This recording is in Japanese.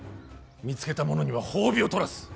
見つけた者には褒美を取らす。